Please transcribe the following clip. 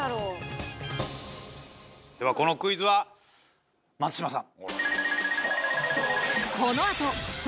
このクイズは松島さん